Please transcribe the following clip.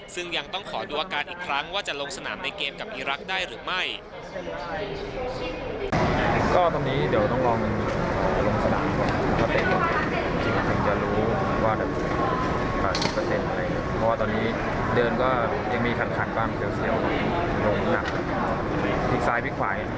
ซึ่งยังต้องขอดูอาการอีกครั้งว่าจะลงสนามในเกมกับอีรักษ์ได้หรือไม่